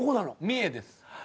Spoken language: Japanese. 三重です。